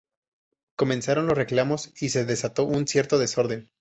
Comenzaron los reclamos y se desató un cierto desorden.